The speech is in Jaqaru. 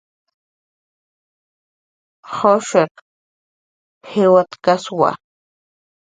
Jushiq jilwatkaswa